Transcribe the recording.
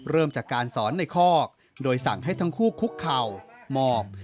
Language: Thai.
เริ่มจากการสอนในคอกโดยสั่งให้ทั้งคู่คุกเข่าหมอบ